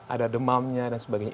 ada demamnya dan sebagainya